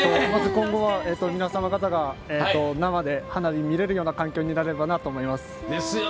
今後は皆様方が生で花火見れるような環境になればなと思います。